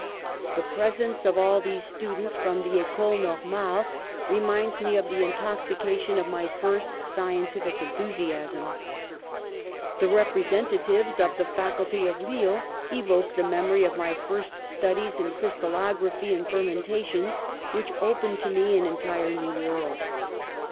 "The presence of all these students from the Ecole 202 PASTEUR Normale reminds me of the intoxication of my first scientific enthusiasms. "The representatives of the Faculty of Lille evoke the memory of my first studies in crystalography and fermentations, which opened to me an entire new world.